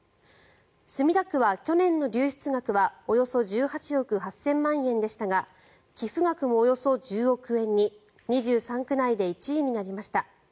墨田区は去年の流出額はおよそ１８億円８０００万円でしたが寄付額もおよそ１０億円に２３区内で１位になりました。